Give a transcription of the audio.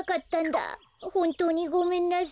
ほんとうにごめんなさい！